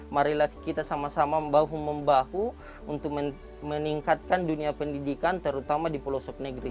marilah kita sama sama membahu membahu untuk meningkatkan dunia pendidikan terutama di pulau subnegri